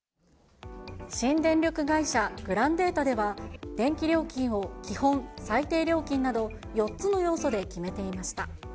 新電力会社、グランデータでは電気料金を基本・最低料金など、４つの要素で決めていました。